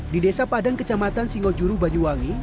di desa padang kecamatan singojuru banyuwangi